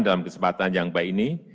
dalam kesempatan yang baik ini